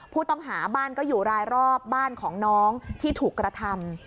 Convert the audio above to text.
ผู้ต้องหาบ้านก็อยู่รายรอบบ้านของน้องที่ถูกกระทำ